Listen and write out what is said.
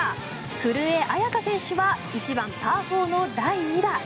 古江彩佳選手は１番、パー４の第２打。